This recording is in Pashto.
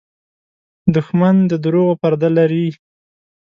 دښمن د دروغو پرده لري